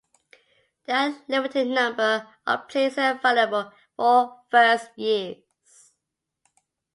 There are a limited number of places available for first years.